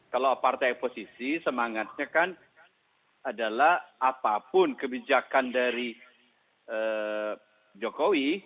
kalau partai oposisi semangatnya kan adalah apapun kebijakan dari jokowi